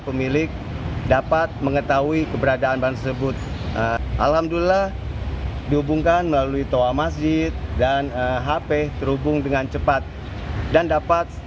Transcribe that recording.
memiliki tas berisi uang ratusan juta rupiah